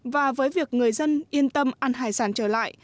và với việc người dân yên tâm ăn hải sản trở lại